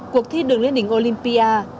cuộc thi đường lên đỉnh olympia